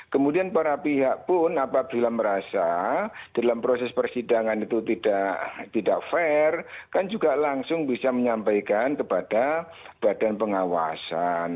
kemudian para pihak pun apabila merasa dalam proses persidangan itu tidak fair kan juga langsung bisa menyampaikan kepada badan pengawasan